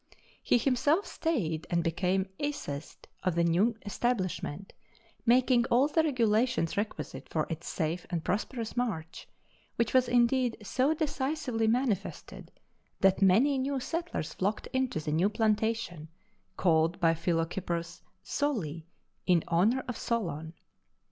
He himself stayed and became æcist of the new establishment, making all the regulations requisite for its safe and prosperous march, which was indeed so decisively manifested that many new settlers flocked into the new plantation, called by Philocyprus Soli, in honor of Solon.